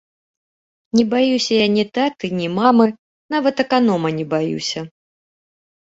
Не баюся я ні таты, ні мамы, нават аканома не баюся!